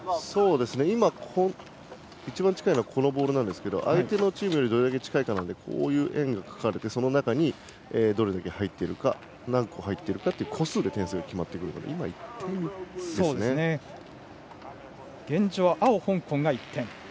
今、一番近いのはこのボールですが相手のチームよりどれだけ近いかなので円を描いて、その中にどれだけ入っているか何個入っているかという個数で点数が決まってくるんですが現状は青、香港が１点。